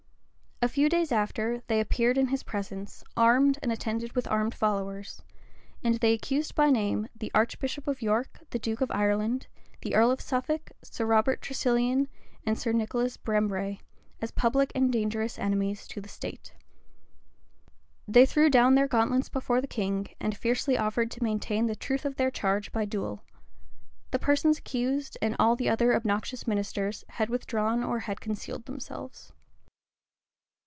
A few days after, they appeared in his presence, armed, and attended with armed followers; and they accused by name the archbishop of York, the duke of Ireland, the earl of Suffolk, Sir Robert Tresilian, and Sir Nicholas Brembre, as public and dangerous enemies to the state. They threw down their gauntlets before the king, and fiercely offered to maintain the truth of their charge by duel. The persons accused, and all the other obnoxious ministers, had withdrawn or had concealed themselves.